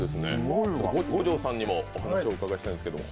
五条さんにもお話、伺いたいんですけど。